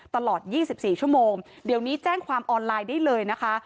ตลอด๒๔ชั่วโมงเดี๋ยวนี้แจ้งความออนไลน์ได้เลยนะคะ